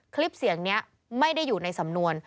คลิปเสียงนี้ไม่ได้อยู่ในสำนวน